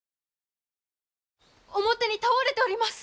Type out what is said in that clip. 表に倒れております！